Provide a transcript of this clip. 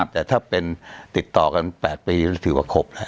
แต่ถ้าเป็นติดต่อกัน๘ปีถือว่าครบแล้ว